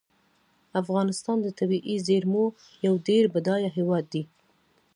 افغانستان د طبیعي زیرمو یو ډیر بډایه هیواد دی.